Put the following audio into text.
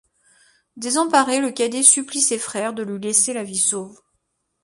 Désemparé, le cadet supplie ses frères de lui laisser la vie sauve.